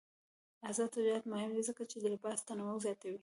آزاد تجارت مهم دی ځکه چې د لباس تنوع زیاتوي.